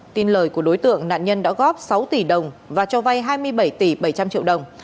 tin lời của đối tượng nạn nhân đã góp sáu tỷ đồng và cho vay hai mươi bảy tỷ bảy trăm linh triệu đồng